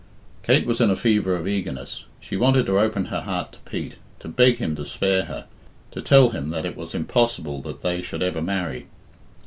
Kate was in a fever of eagerness. She wanted to open her heart to Pete, to beg him to spare her, to tell him that it was impossible that they should ever marry.